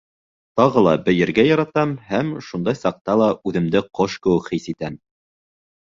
Тағы ла бейергә яратам һәм шундай саҡта ла үҙемде ҡош кеүек хис итәм.